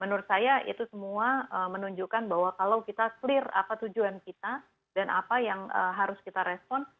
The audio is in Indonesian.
menurut saya itu semua menunjukkan bahwa kalau kita clear apa tujuan kita dan apa yang harus kita respon